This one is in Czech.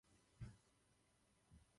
Wesley se rozhodl zůstat na lodi.